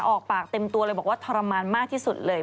ออกปากเต็มตัวเลยบอกว่าทรมานมากที่สุดเลย